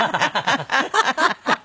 ハハハハ。